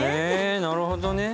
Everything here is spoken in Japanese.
へえなるほどね。